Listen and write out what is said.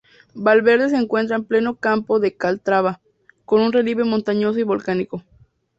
Valverde se encuentra en pleno Campo de Calatrava, con un relieve montañoso y volcánico.